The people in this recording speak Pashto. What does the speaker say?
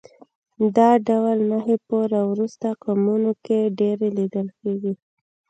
دا ډول نښې په راوروسته قومونو کې ډېرې لیدل کېږي